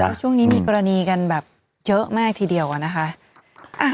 คือช่วงนี้มีกรณีกันแบบเยอะมากทีเดียวอะนะคะ